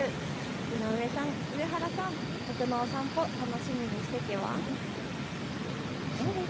井上さん、上原さん、僕お散歩、楽しみにしててワン。